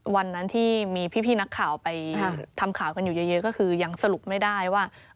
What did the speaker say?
วันนั้นที่มีพี่นักข่าวไปทำข่าวกันอยู่เยอะก็คือยังสรุปไม่ได้ว่า